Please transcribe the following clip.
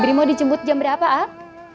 febri mau dijemput jam berapa ab